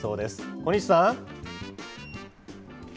小西さん。